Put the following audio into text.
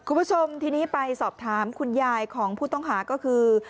คุณผู้ชมทีนี้ไปสอบถามคุณยายของผู้ต้องหาก็คือ